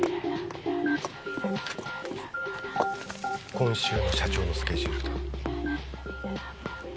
今週の社長のスケジュールだ